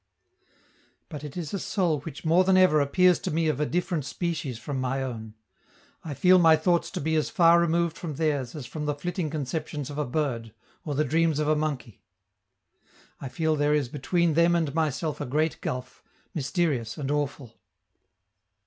But it is a soul which more than ever appears to me of a different species from my own; I feel my thoughts to be as far removed from theirs as from the flitting conceptions of a bird, or the dreams of a monkey; I feel there is between them and myself a great gulf, mysterious and awful.